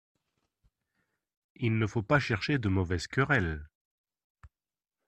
Il ne faut pas chercher de mauvaises querelles.